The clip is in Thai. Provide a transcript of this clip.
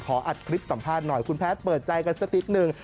อัดคลิปสัมภาษณ์หน่อยคุณแพทย์เปิดใจกันสักนิดนึง